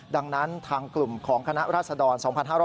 ดังนั้นทางกลุ่มของคณะราษฎร๒๕๕๙